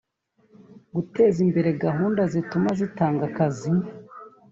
guteza imbere gahunda zituma zitanga akazi